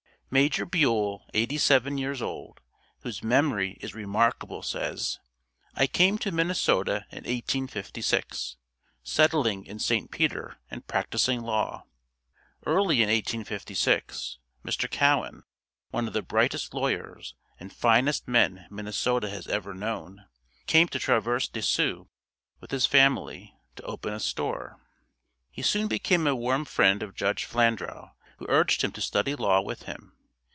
Major Buell eighty seven years old, whose memory is remarkable says: I came to Minnesota in 1856, settling in St. Peter and practicing law. Early in 1856, Mr. Cowen, one of the brightest lawyers and finest men Minnesota has ever known, came to Traverse de Sioux with his family, to open a store. He soon became a warm friend of Judge Flandrau who urged him to study law with him.